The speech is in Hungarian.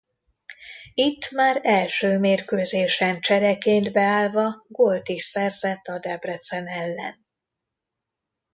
Itt már első mérkőzésen csereként beállva gólt is szerzett a Debrecen ellen.